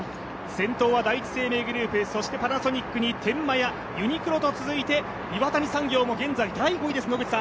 先頭は第一生命グループ、そしてパナソニックに天満屋、ユニクロと続いて、岩谷産業も現在第５位です。